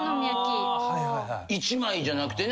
１枚じゃなくてね